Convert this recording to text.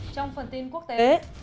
trong phần tin quốc tế